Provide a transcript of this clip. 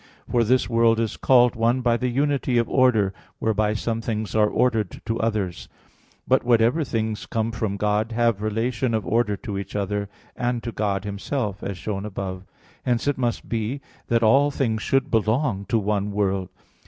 For this world is called one by the unity of order, whereby some things are ordered to others. But whatever things come from God, have relation of order to each other, and to God Himself, as shown above (Q. 11, A. 3; Q. 21, A. 1). Hence it must be that all things should belong to one world.